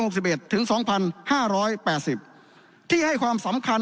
ถึงสองพันห้าร้อยแปดสิบที่ให้ความสำคัญ